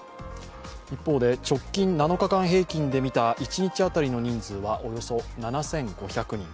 一方で、直近７日間平均で見た１日当たりの人数はおよそ７５００人。